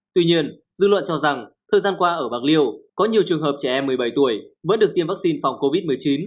tuy nhiên dư luận cho rằng thời gian qua ở bạc liêu có nhiều trường hợp trẻ em một mươi bảy tuổi vẫn được tiêm vaccine phòng covid một mươi chín